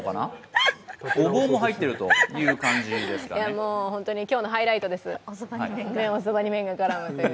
類も入っているのかな、今日のハイライトです、おそばに麺が絡むという。